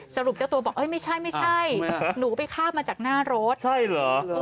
สรุปเจ้าตัวบอกเอ้ยไม่ใช่ไม่ใช่หนูไปข้ามมาจากหน้ารถใช่เหรอ